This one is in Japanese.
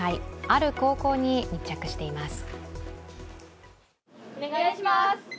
ある高校に密着しています。